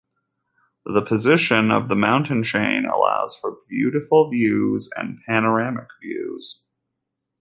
The position of the mountain chain allows for beautiful views and panoramic views.